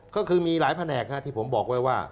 ก็คือมีหลายแผนกที่ผมบอกไว้ว่า